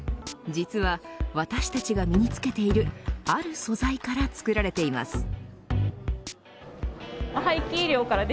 実は私たちが身につけているある素材から作られています。